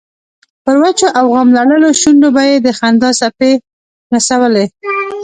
پر وچو او غم لړلو شونډو به یې د خندا څپې نڅولې.